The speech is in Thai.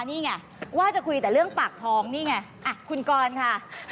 นี่ไงว่าจะคุยแต่เรื่องปากท้องนี่ไงคุณกรค่ะ